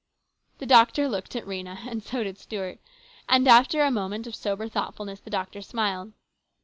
The doctor looked at Rhena and so did Stuart, 252 and after a moment of sober thoughtfulness the doctor smiled.